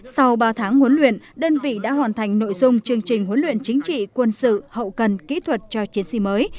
sau ba tháng huấn luyện đơn vị đã hoàn thành nội dung chương trình huấn luyện chính trị quân sự hậu cần kỹ thuật cho chiến sĩ mới